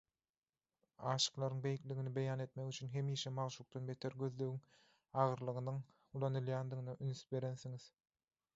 Aşyklaryň beýikligini beýan etmek üçin hemişe magşukdan beter gözlegiň agyrlygynyň ulanylýandygyna üns berensiňiz.